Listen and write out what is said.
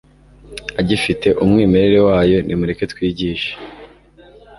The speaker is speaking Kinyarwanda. agifite umwimerere wayo. Nimureke twigishe